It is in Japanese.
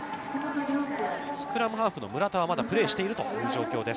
スクラムハーフの村田はまだプレーをしているという状況です。